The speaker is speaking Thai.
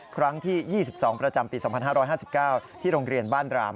ครั้งที่๒๒ประจำปี๒๕๕๙ที่โรงเรียนบ้านราม